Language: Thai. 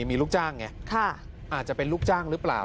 มีลูกจ้างไงอาจจะเป็นลูกจ้างหรือเปล่า